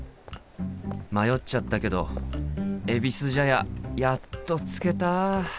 迷っちゃったけどえびす茶屋やっと着けた。